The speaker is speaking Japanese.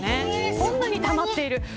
こんなにたまっている。